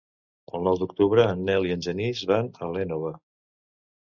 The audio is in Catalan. El nou d'octubre en Nel i en Genís van a l'Énova.